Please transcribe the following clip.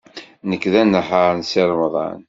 Nekk d anehhaṛ n Si Remḍan.